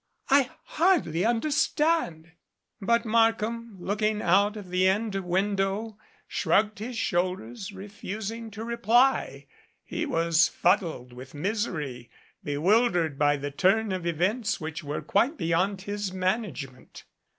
I hardly understand " But Markham, looking out of the end window, shrugged his shoulders, refusing to reply. He was fuddled with misery, bewildered by the turn of events which were quite beyond his management.